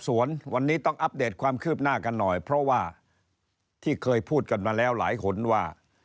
สวนวันนี้ต้องอัปเดตความคืบหน้ากันหน่อยเพราะว่าที่เคยพูดกันมาแล้วหลายคนว่า